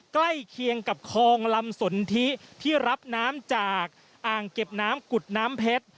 ใกล้เคียงกับคลองลำสนทิที่รับน้ำจากอ่างเก็บน้ำกุฎน้ำเพชร